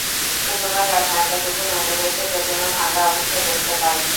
শুক্রবার রাত নয়টার দিকে মন্দিরে এসে প্রতিমা ভাঙা অবস্থায় দেখতে পাই।